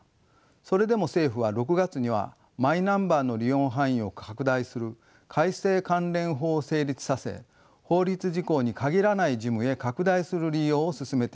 それでも政府は６月にはマイナンバーの利用範囲を拡大する改正関連法を成立させ法律事項に限らない事務へ拡大する利用を進めています。